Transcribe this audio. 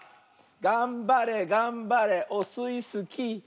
がんばれがんばれオスイスキー！